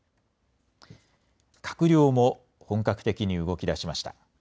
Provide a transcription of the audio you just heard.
閣僚も本格的に動きだしました。